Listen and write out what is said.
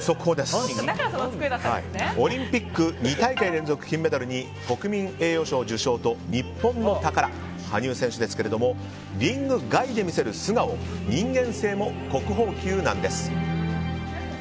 オリンピック２大会連続金メダルに国民栄誉賞受賞と日本の宝、羽生選手ですけどもリング外で見せる素顔人間性も国宝級なんです。